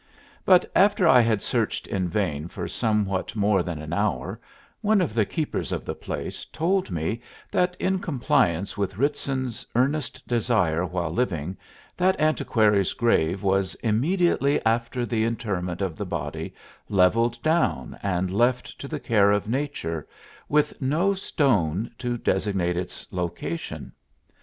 But after I had searched in vain for somewhat more than an hour one of the keepers of the place told me that in compliance with Ritson's earnest desire while living, that antiquary's grave was immediately after the interment of the body levelled down and left to the care of nature, with no stone to designate its location.